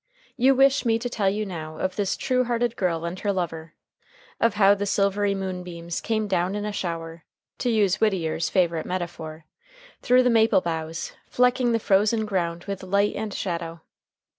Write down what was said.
You wish me to tell you now of this true hearted girl and her lover; of how the silvery moonbeams came down in a shower to use Whittier's favorite metaphor through the maple boughs, flecking the frozen ground with light and shadow.